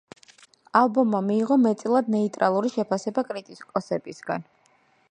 ალბომმა მიიღო მეტწილად ნეიტრალური შეფასება კრიტიკოსებისგან.